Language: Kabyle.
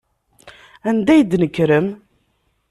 Anda ay d-tnekrem?